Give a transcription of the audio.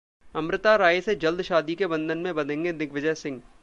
अमृता राय से जल्द शादी के बंधन में बंधेंगे दिग्विजय सिंह!